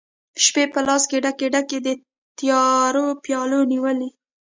شپي په لاس کې ډکي، ډکي، د تیارو پیالې نیولي